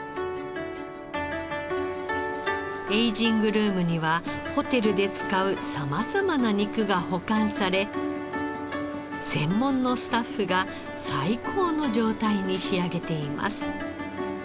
エイジングルームにはホテルで使う様々な肉が保管され専門のスタッフが最高の状態に仕上げています。